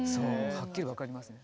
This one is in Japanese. はっきり分かりますね。